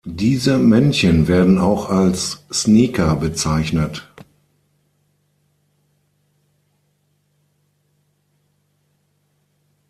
Diese Männchen werden auch als "sneaker" bezeichnet.